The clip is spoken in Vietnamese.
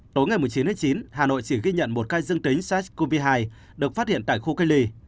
tối ngày một mươi chín chín hà nội chỉ ghi nhận một cây dương tính sars cov hai được phát hiện tại khu cây ly